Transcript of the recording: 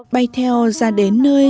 bay theo ra đến nơi